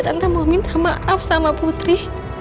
tapi mau minta maaf sama putri